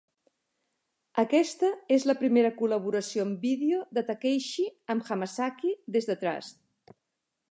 Aquesta és la primera col·laboració en vídeo de Takeishi amb Hamasaki des de "Trust".